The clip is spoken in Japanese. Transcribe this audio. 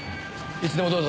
いつでもどうぞ。